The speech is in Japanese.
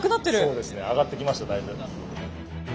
そうですね上がってきましただいぶ。